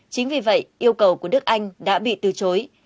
chính vì vậy yêu cầu của nước anh đã bị từ chối